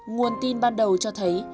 nguồn tin ban đầu cho thấy